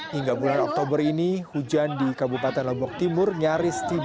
hingga bulan oktober ini hujan di kabupaten lombok timur nyaris tidak